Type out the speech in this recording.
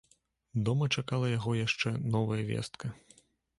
Дома чакала яго яшчэ новая вестка.